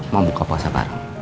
mau buka puasa bareng